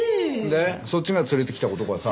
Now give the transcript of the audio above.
でそっちが連れてきた男はさ。